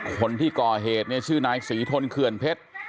คนที่ก่อเหตุเนี่ยชื่อนายศรีทนเขื่อนเพชร